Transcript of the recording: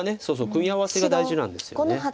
そうそう組み合わせが大事なんですよね。